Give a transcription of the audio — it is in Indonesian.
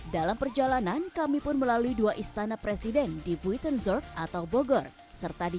dalam perjalanan kami pun melalui dua istana presiden di buiton zorg atau bogor serta di